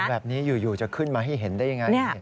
แบบนี้อยู่จะขึ้นมาให้เห็นได้ยังไง